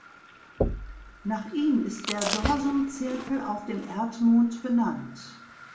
Nach ihm ist der Dorsum Zirkel auf dem Erdmond benannt.